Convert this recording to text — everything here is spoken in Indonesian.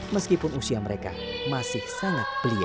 meskipun usia mereka masih sangat belia